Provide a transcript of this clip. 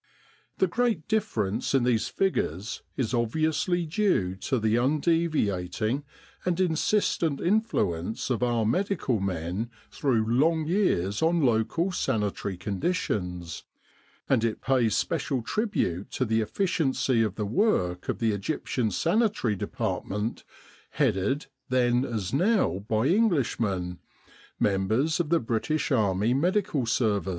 The great difference in these figures is obviously due to the undeviating and insistent influence of our medical men through long years on local sanitary conditions, and it pays special tribute to the efficiency of the work of the Egyptian Sanitary Department, headed then as now by Englishmen, members of the British Army Medical Service.